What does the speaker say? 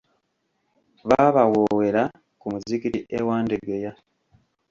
Baabawoowera ku muzigiti e Wandegeya.